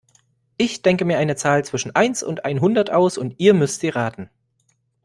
Ich denke mir eine Zahl zwischen eins und einhundert aus und ihr müsst sie raten.